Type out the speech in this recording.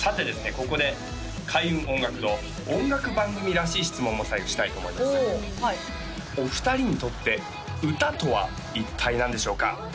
ここで開運音楽堂音楽番組らしい質問も最後したいと思いますお二人にとって歌とは一体何でしょうか？